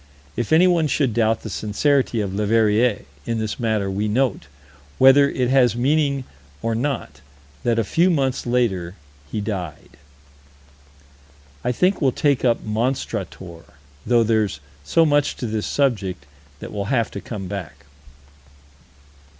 If anyone should doubt the sincerity of Leverrier, in this matter, we note, whether it has meaning or not, that a few months later he died. I think we'll take up Monstrator, though there's so much to this subject that we'll have to come back.